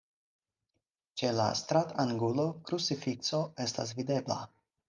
Ĉe la stratangulo krucifikso estas videbla.